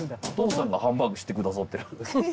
お父さんがハンバーグ知ってくださってる。